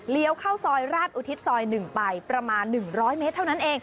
เข้าซอยราชอุทิศซอย๑ไปประมาณ๑๐๐เมตรเท่านั้นเอง